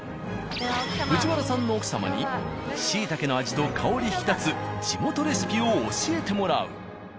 藤原さんの奥様にシイタケの味と香り引き立つ地元レシピを教えてもらう。